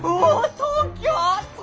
東京！